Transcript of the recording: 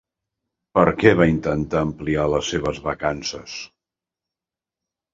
Per què va intentar ampliar les seves vacances?